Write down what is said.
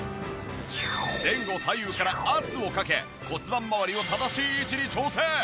前後左右から圧をかけ骨盤まわりを正しい位置に調整。